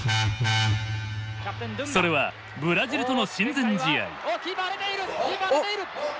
それはブラジルとの親善試合。